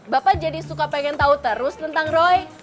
bapak jadi suka pengen tahu terus tentang roy